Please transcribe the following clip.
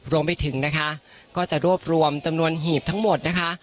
รวมไปถึงนะคะก็จะรวบรวมจำนวนหีบทั้งหมดนะคะ